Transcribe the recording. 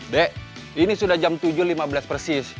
dek ini sudah jam tujuh lima belas persis